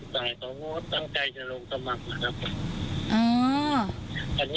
แต่เขาตั้งใจจะลงสมัครนะครับ